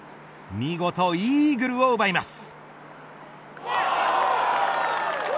見事イーグルを奪います。